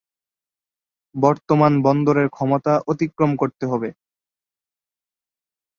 বর্তমান বন্দরের ক্ষমতা অতিক্রম করতে হবে।